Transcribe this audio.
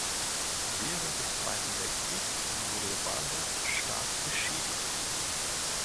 Während des Zweiten Weltkriegs wurde der Bahnhof stark beschädigt.